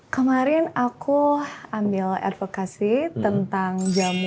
kemarin aku ambil advokasi tentang jamu